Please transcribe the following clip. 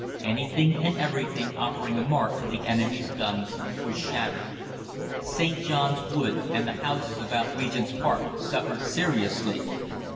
Anything and everything offering a mark to the enemy's guns was shattered. St. John's Wood and the houses about Regent's Park suffered seriously.